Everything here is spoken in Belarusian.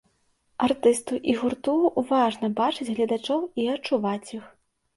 Артысту і гурту важна бачыць гледачоў і адчуваць іх.